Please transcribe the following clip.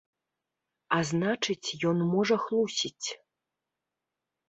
А значыць, ён можа хлусіць.